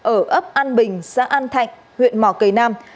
ở ấp an bình xã an thạnh huyện mỏ cầy nam